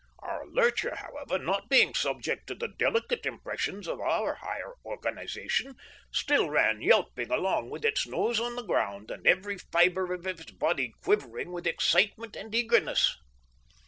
Our lurcher, however, not being subject to the delicate impressions of our higher organisation, still ran yelping along with its nose on the ground and every fibre of its body quivering with excitement and eagerness.